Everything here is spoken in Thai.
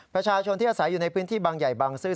ประชาชนที่อาศัยอยู่ในพื้นที่บางใหญ่บางซื่อ